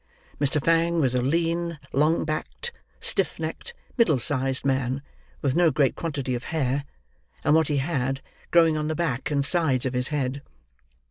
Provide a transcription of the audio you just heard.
Mr. Fang was a lean, long backed, stiff necked, middle sized man, with no great quantity of hair, and what he had, growing on the back and sides of his head.